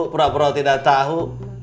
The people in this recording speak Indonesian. pura pura tidak tahu